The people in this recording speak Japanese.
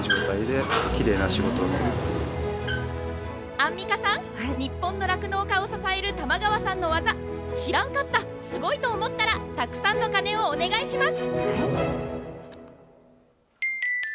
アンミカさん、日本の酪農家を支える玉川さんの技知らんかった、すごいと思ったらたくさんの鐘をお願いします。